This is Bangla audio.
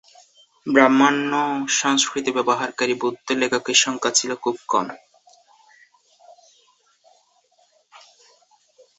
ব্রাহ্মণ্য সংস্কৃত ব্যবহারকারী বৌদ্ধ লেখকের সংখ্যা ছিল খুব কম।